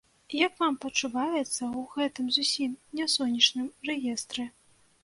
Як вам пачуваецца ў гэтым зусім не сонечным рэестры?